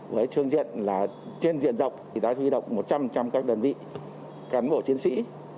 với trương diện trên diện rộng đã huy động một trăm linh các đơn vị cán bộ chiến sĩ